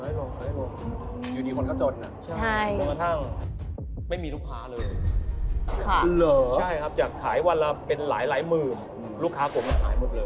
ถึงกระทั่งไม่มีลูกค้าเลยอยากขายวันละเป็นหลายหมื่น